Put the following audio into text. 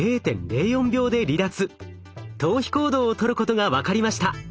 逃避行動をとることが分かりました。